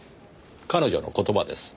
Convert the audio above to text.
彼女の言葉です。